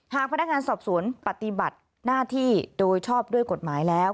หากพนักงานสอบสวนปฏิบัติหน้าที่โดยชอบด้วยกฎหมายแล้ว